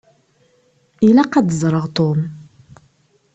Ilaq ad d-ẓṛeɣ Tom.